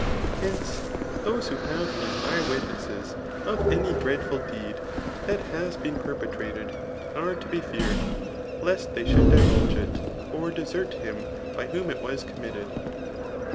Hence, those who have been eye tvitnesass of any dreadful deed diat has bete perpetrated, wt to be feared, lest they should divulge it, or desert [hjm by •whom it was committed.